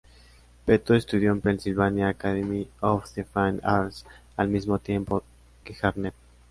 Peto estudió en Pennsylvania Academy of the Fine Arts al mismo tiempo que Harnett.